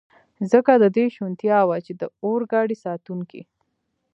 ځکه د دې شونتیا وه، چې د اورګاډي ساتونکي.